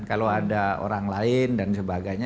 kalau ada orang lain dan sebagainya